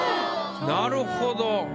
なるほど。